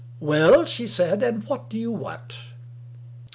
"Well?" she said. "And what do you want?"